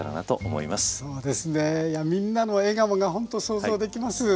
いやみんなの笑顔がほんと想像できます。